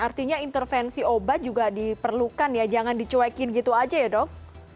artinya intervensi obat juga diperlukan ya jangan dicuekin gitu aja ya dok